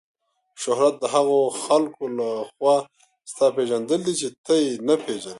شهرت د هغو خلکو له خوا ستا پیژندل دي چې ته یې نه پیژنې.